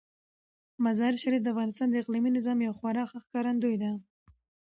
مزارشریف د افغانستان د اقلیمي نظام یو خورا ښه ښکارندوی دی.